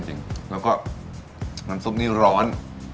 จริงแล้วก็น้ำซุปนี้ร้อน